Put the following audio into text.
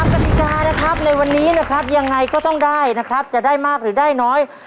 ตามกติกาในวันนี้ยังไงก็ต้องได้นะครับจะได้มากหรือได้น้อย